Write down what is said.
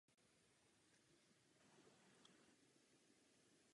V jeho sousedství býval románský dvorec.